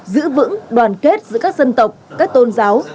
giữ vững đoàn kết giữa các dân tộc các tôn giáo